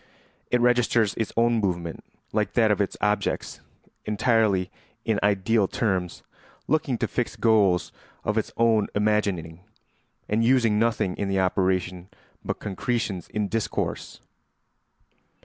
It registers its own movement, like that of its objects, entirely in ideal terms, looking to fixed goals of its own imagining, and using nothing in the operation but concretions in discourse.